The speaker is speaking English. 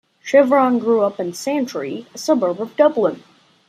Chevron grew up in Santry, a suburb of Dublin.